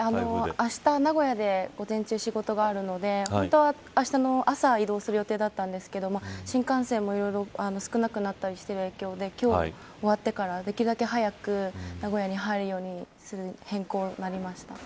あした名古屋で午前中、仕事があるので本当は、あしたの朝移動する予定だったんですけど新幹線もいろいろ少なくなったりしている影響で今日終わってからできるだけ早く名古屋に入るように変更になりました。